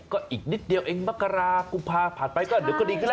ก็อีกนิดเดียวเองมกรากุมภาผ่านไปก็เดี๋ยวก็ดีขึ้นแล้ว